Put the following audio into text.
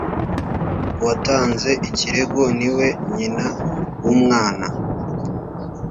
uwatanze ikirego ni we nyina w’umwana